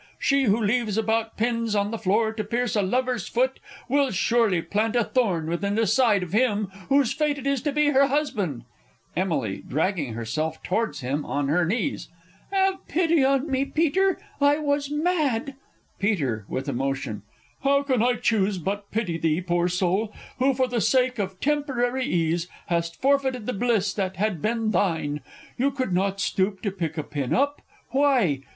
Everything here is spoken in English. She who leaves about Pins on the floor to pierce a lover's foot, Will surely plant a thorn within the side Of him whose fate it is to be her husband! Emily (dragging herself towards him on her knees). Have pity on me, Peter; I was mad! Peter (with emotion). How can I choose but pity thee, poor soul, Who, for the sake of temporary ease, Hast forfeited the bliss that had been thine! You could not stoop to pick a pin up. Why?